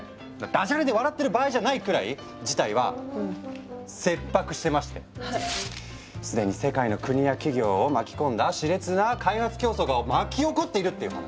ダジャレで笑ってる場合じゃないくらい事態は切迫してましてすでに世界の国や企業を巻き込んだしれつな開発競争が巻き起こっているっていう話。